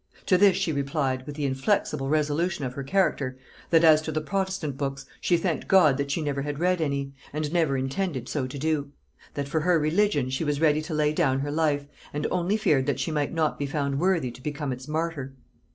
To this she replied, with the inflexible resolution of her character, that as to protestant books, she thanked God that she never had read any, and never intended so to do; that for her religion she was ready to lay down her life, and only feared that she might not be found worthy to become its martyr.